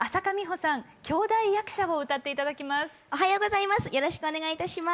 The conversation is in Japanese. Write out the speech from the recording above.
おはようございます。